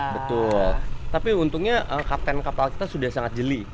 betul tapi untungnya kapten kapal kita sudah sangat jeli